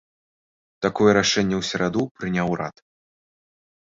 Такое рашэнне ў сераду прыняў урад.